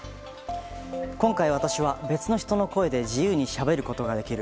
今回は私は、別の人の声で自由にしゃべることができる。